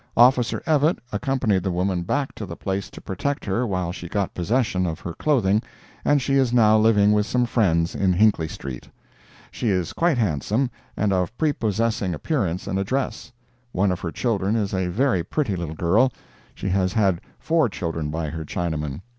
Officer Evatt accompanied the woman back to the place to protect her while she got possession of her clothing, and she is now living with some friends in Hinckley street. She is quite handsome, and of prepossessing appearance and address; one of her children is a very pretty little girl; she has had four children by her Chinaman.